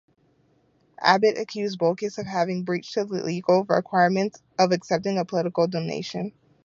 Abbott accused Bolkus of having breached the legal requirements of accepting a political donation.